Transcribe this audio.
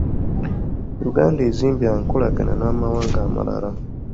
Uganda ezimbye enkolagana n'amawanga amalala.